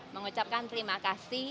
mengucapkan terima kasih